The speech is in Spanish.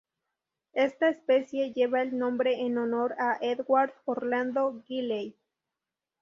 Esta especie lleva el nombre en honor a Edward Orlando Wiley.